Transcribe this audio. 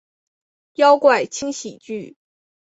妖怪轻喜剧！